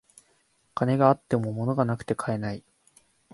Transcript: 金があっても物がなくて買えない